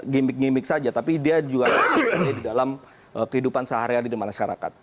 gimik gimik saja tapi dia juga di dalam kehidupan seharian di mana sekarang